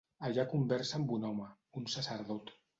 Allà conversa amb un home, un sacerdot.